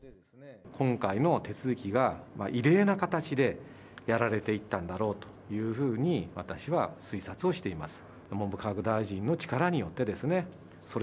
今回の手続きが異例な形でやられていったんだろうというふうに、私は推察をしています。